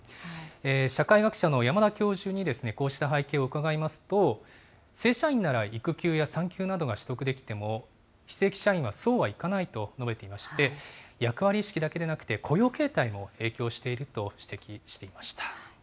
社会学者の山田教授に、こうした背景を伺いますと、正社員なら育休や産休が取得できても、非正規社員はそうはいかないと述べていまして、役割意識だけでなくて、雇用形態も影響していると指摘していました。